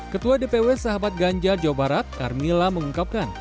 ketua dpw sahabat ganjar jawa barat armila mengungkapkan